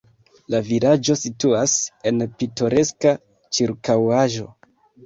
La vilaĝo situas en pitoreska ĉirkaŭaĵo.